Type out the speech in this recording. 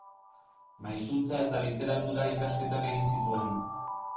Maisutza eta literatura ikasketak egin zituen.